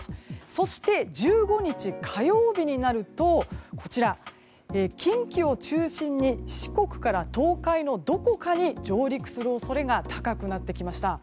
そして１５日火曜日になると近畿を中心に四国から東海のどこかに上陸する恐れが高くなってきました。